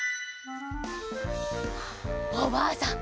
おばあさん